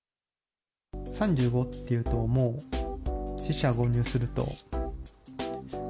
３５っていうともう、四捨五入すると４０。